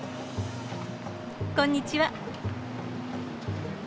こんにちは。